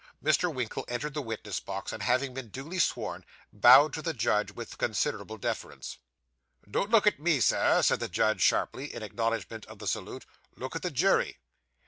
Mr. Winkle entered the witness box, and having been duly sworn, bowed to the judge with considerable deference. 'Don't look at me, Sir,' said the judge sharply, in acknowledgment of the salute; 'look at the jury.